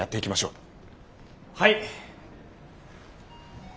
はい。